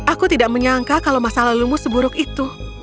aku tidak menyangka kalau masalah lo seburuk itu